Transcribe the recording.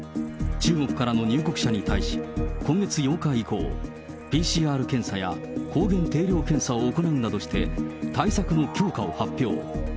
中国からの入国者に対し、今月８日以降、ＰＣＲ検査や抗原定量検査を行うなどして、対策の強化を発表。